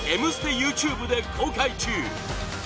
ＹｏｕＴｕｂｅで公開中！